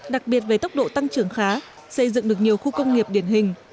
đặc biệt về tốc độ tăng trưởng khá xây dựng được nhiều khu công nghiệp điển hình